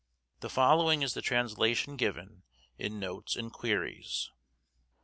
The following is the translation given in 'Notes and Queries.